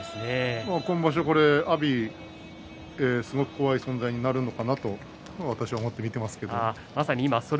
今場所、阿炎すごく怖い存在になるのかなと私は思って見ています。